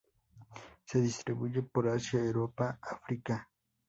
Se distribuye por Asia, Europa, África.